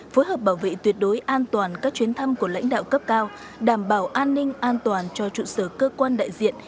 phối hợp bảo vệ tuyệt đối an toàn các chuyến thăm của lãnh đạo cấp cao đảm bảo an ninh an toàn cho trụ sở cơ quan đại diện